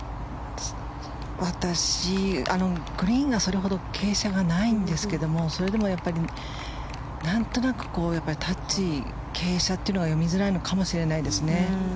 グリーンがそれほど傾斜がないんですけどもそれでも、やっぱり何となく傾斜というのが読みづらいのかもしれないですね。